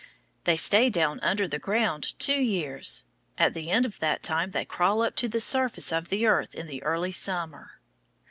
They stay down under the ground two years. At the end of that time they crawl up to the surface of the earth in the early summer.